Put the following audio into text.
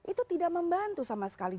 itu tidak membantu sama sekali